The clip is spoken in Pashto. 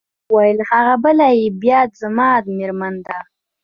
هغه وویل: هغه بله يې بیا زما مېرمن ده.